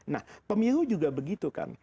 nah pemilu juga begitu kan